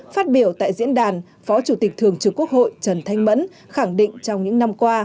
phát biểu tại diễn đàn phó chủ tịch thường trực quốc hội trần thanh mẫn khẳng định trong những năm qua